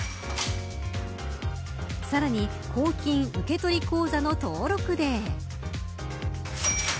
さらに公金受取口座の登録で。